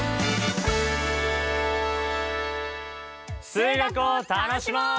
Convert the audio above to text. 数学を楽しもう！